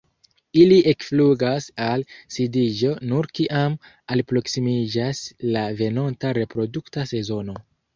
Ili ekflugas al disiĝo nur kiam alproksimiĝas la venonta reprodukta sezono.